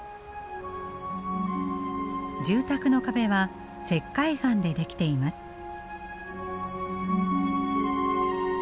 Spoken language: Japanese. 住宅の壁は石灰岩で出来ています。